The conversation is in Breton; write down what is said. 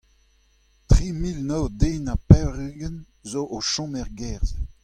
Tri mil nav den ha pevar-ugent zo o chom er gêr-se.